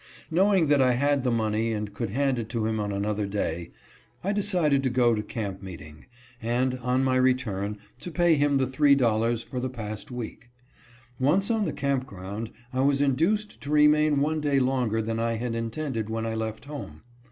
Knowing that I had the money and could hand it to him on another day, I decided to go to camp meeting and, on my return, to pay him the three dollars for the past week. Once on the camp ground, I was induced to remain one day longer than I had in tended when I left home.